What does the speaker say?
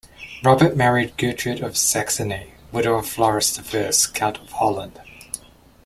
Robert married Gertrude of Saxony, widow of Floris the First, Count of Holland.